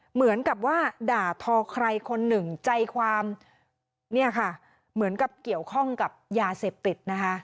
เหมือนกับว่าด่าทอใครคนหนึ่งใจความเนี่ยค่ะเหมือนกับเกี่ยวข้องกับยาเสพติดนะคะ